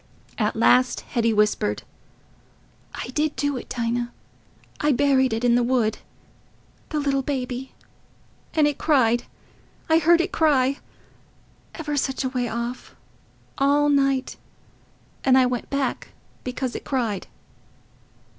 At last Hetty whispered, "I did do it, Dinah... I buried it in the wood... the little baby... and it cried... I heard it cry... ever such a way off... all night... and I went back because it cried."